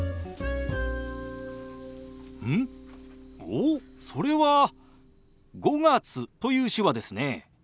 おおそれは「５月」という手話ですね。